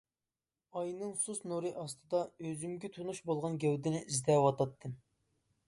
ئاينىڭ سۇس نۇرى ئاستىدا، ئۆزۈمگە تونۇش بولغان گەۋدىنى ئىزدەۋاتاتتىم.